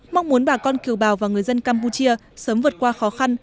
mong muốn bà con kiều bào và người dân campuchia sớm vượt qua khó khăn